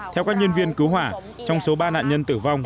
theo các nhân viên cứu hỏa trong số ba nạn nhân tử vong